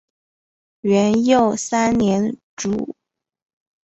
元佑三年卒。